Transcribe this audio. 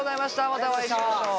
またお会いしましょう。